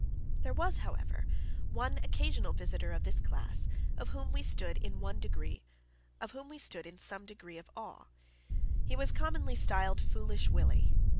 There was, however, one occasional visitor of this class, of whom we stood in some degree of awe. He was commonly styled Foolish Willie.